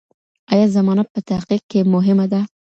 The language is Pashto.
ایا زمانه په تحقیق کې مهمه ده؟